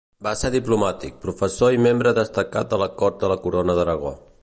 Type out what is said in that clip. Va ser diplomàtic, professor i membre destacat de la cort de la Corona d'Aragó.